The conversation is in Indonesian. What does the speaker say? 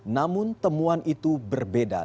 namun temuan itu berbeda